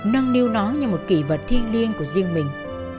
nâng niu nó như một kỷ vật thiêng liêng của riêng mình